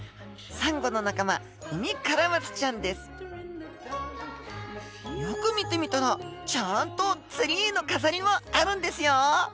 サンゴの仲間よく見てみたらちゃんとツリーの飾りもあるんですよ。